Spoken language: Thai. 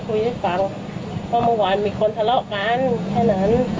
ก็เมื่อวานมีคนทะเลาะกันแค่นั้น